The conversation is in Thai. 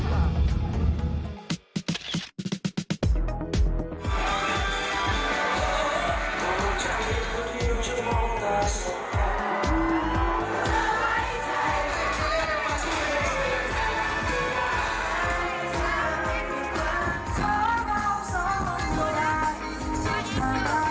สวัสดีค่ะ